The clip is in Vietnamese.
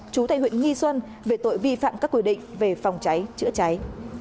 chú thầy huyện nguyễn sơn về tội vi phạm các quy định về phòng cháy chữa cháy